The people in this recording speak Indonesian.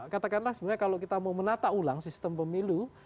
katakanlah sebenarnya kalau kita mau menata ulang sistem pemilu